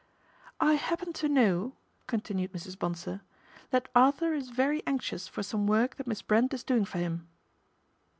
" I happen to know," continued Mrs. Bonsor, that Arthur is very anxious for some work that Miss Brent is doing for him."